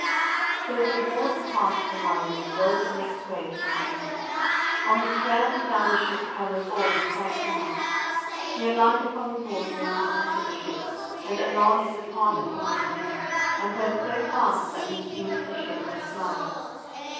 So Sir Bors departed from Lionel, and rode the next way to the sea. On the strand he found a ship covered all with white samite. He alighted from his horse and entered into the ship, and anon it departed into the sea, and went so fast that him seemed the ship went flying.